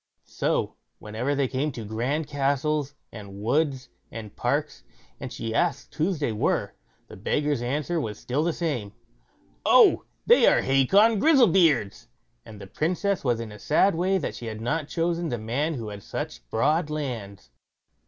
So, whenever they came to grand castles, and woods, and parks, and she asked whose they were? the beggar's answer was still the same: "Oh: they are Hacon Grizzlebeard's." And the Princess was in a sad way that she had not chosen the man who had such broad lands.